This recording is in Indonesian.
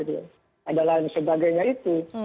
dan lain sebagainya itu